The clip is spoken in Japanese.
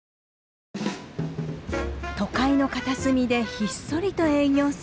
都会の片隅でひっそりと営業する。